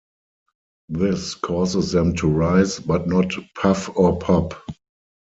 This causes them to rise, but not puff or pop.